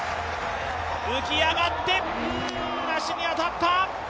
浮き上がって、足に当たった。